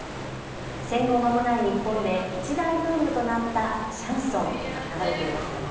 戦後、間もない日本で一大ブームとなったシャンソン、今流れていますよね。